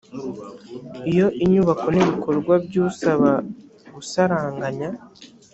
iyo inyubako n ibikorwa by usaba gusaranganya